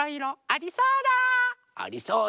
ありそうだ。